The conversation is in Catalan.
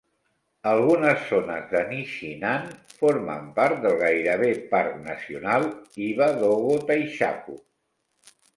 Algunes zones de Nichinan formen part del gairebé parc nacional Hiba-Dogo-Taishaku.